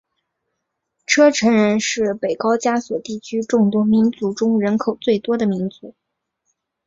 车臣人是北高加索地区众多民族中人口最多的民族。